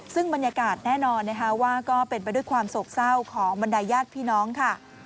ซึ่งบรรยากาศแน่นอนนะคะว่าก็เป็นไปด้วยความโศกเศร้าของบรรดายญาติพี่น้องค่ะ